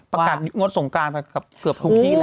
ประกาศงดสงการไปเกือบทุกที่เลย